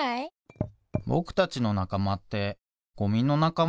ぼくたちのなかまってごみのなかま？